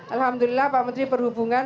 alhamdulillah pak menteri perhubungan